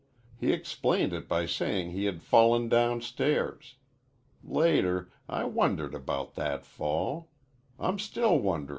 He explained it by sayin' he had fallen downstairs. Later, I wondered about that fall. I'm still wonderin'.